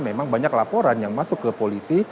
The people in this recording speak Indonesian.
memang banyak laporan yang masuk ke polisi